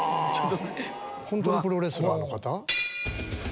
本当にプロレスラーの方？